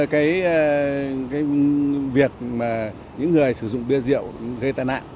cái việc mà những người sử dụng bia rượu gây tai nạn